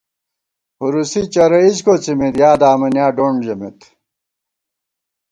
ہُرُوسی چرَئیز کوڅِمېت یا دامَنیا ڈونڈ ژَمېت